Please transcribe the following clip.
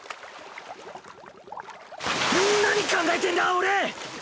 何考えてんだ俺！